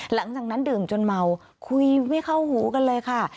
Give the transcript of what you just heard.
หลังจากนั้นดื่มจนเมาคุยไม่เข้าหูกันเลยค่ะ